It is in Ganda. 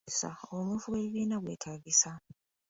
Obumyufu bw'ebibiina bwetaagisa?